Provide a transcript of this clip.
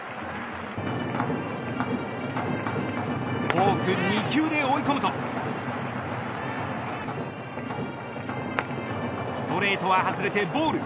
フォーク２球で追い込むとストレートは外れてボール。